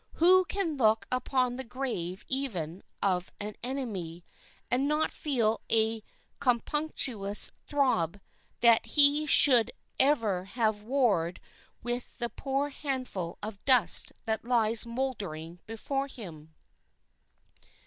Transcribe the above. Who can look upon the grave even of an enemy and not feel a compunctious throb that he should ever have warred with the poor handful of dust that lies moldering before him?